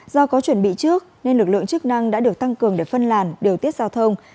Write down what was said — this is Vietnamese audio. do có chuẩn bị trước nên lực lượng chức năng đã được tăng cường để phân làn điều tiết giao thông